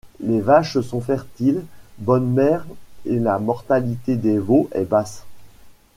Les vaches sont fertiles, bonnes mères et la mortalité des veaux est basse.